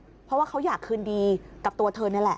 เพราะว่าเขาอยากคืนดีกับตัวเธอนี่แหละ